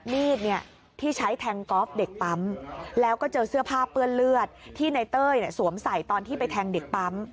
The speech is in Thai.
มีดเนี่ยที่ใช้แทงกอล์ฟเด็กปั๊มแล้วก็เจอเสื้อผ้าเปื้อนเลือดที่ในเต้ยสวมใส่ตอนที่ไปแทงเด็กปั๊ม